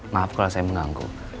maaf kalau saya mengganggu